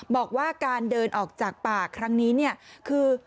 บอกว่าการเดินออกจากป่าครั้งนี้เนี่ยคือ